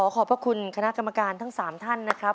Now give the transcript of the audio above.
ขอบพระคุณคณะกรรมการทั้ง๓ท่านนะครับ